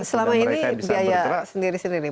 selama ini biaya sendiri sendiri